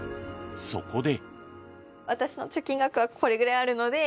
そこで。